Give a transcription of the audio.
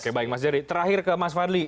oke baik mas jerry terakhir ke mas fadli